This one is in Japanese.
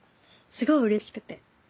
すごいうれしくて。